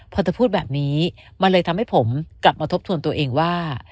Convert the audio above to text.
พอเธอพูดแบบนี้มันเลยทำให้ผมกลับมาทบทวนตัวเองว่า